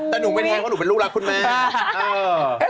แต่หนูเป็นแทงว่าหนูเป็นลูกรักคุณแม่